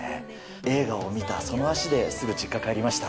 映画を見たその足で、すぐ実家帰りました。